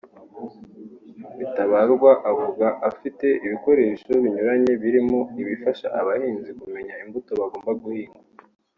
Katabarwa avuga bafite ibikoresho binyuranye birimo ibifasha abahinzi kumenya imbuto bagomba guhinga